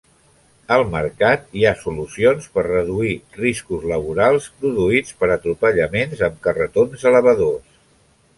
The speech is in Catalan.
Al mercat hi ha solucions per reduir riscos laborals produïts per atropellaments amb carretons elevadors.